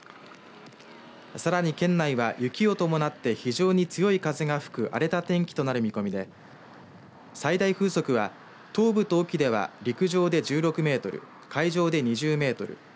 さらに県内は雪を伴って非常に強い風が吹く荒れた天気となる見込みで最大風速は東部と隠岐では陸上で１６メートル海上で２０メートル。